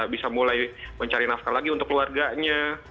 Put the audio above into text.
bisa mulai mencari nafkah lagi untuk keluarganya